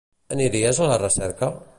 Aniries a la recerca?